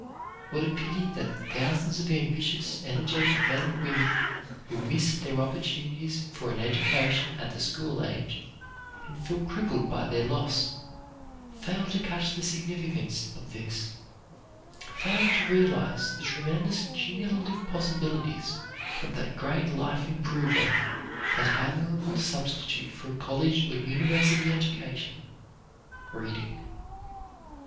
What a pity that the thousands of ambitious, energetic men and women who missed their opportunities for an education at the school age, and feel crippled by their loss, fail to catch the significance of this, fail to realize the tremendous cumulative possibilities of that great life improver that admirable substitute for a college or university education reading.